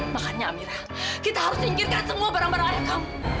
makanya amirah kita harus singkirkan semua barang barang ada kamu